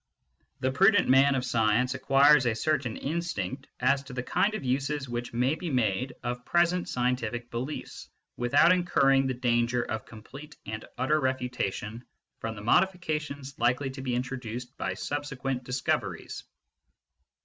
The prudent man of science acquires a certain instinct as to the kind of uses which may be made of present scientific beliefs without incurring the danger of complete and utter refutation from the modifications likely to be introduced by subsequent discoveries.